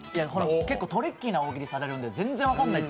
結構トリッキーな大喜利されるんで、全然分からないと。